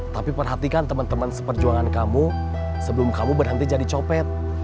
tapi perhatikan teman teman seperjuangan kamu sebelum kamu berhenti jadi copet